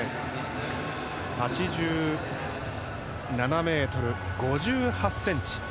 ８７ｍ５８ｃｍ。